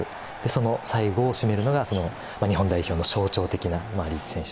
その最後を締めるのが、その日本代表の象徴的なリーチ選手。